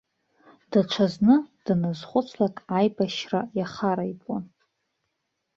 Даҽазны, даназхәыцлак, аибашьра иахараитәуан.